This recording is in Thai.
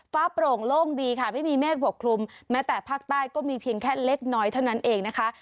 โปร่งโล่งดีค่ะไม่มีเมฆปกคลุมแม้แต่ภาคใต้ก็มีเพียงแค่เล็กน้อยเท่านั้นเองนะคะ